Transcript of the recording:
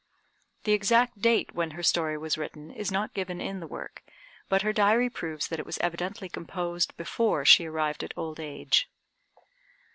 The exact date when her story was written is not given in the work, but her diary proves that it was evidently composed before she arrived at old age.